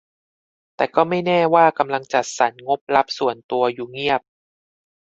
แต่ก็ไม่แน่ว่ากำลังจัดสรรงบลับส่วนตัวอยู่เงียบ